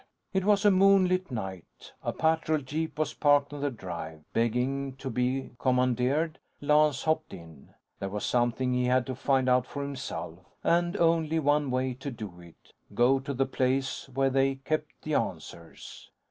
It was a moonlit night. A patrol jeep was parked on the drive, begging to be commandeered. Lance hopped in. There was something he had to find out for himself, and only one way to do it: Go to the place where they kept the answers.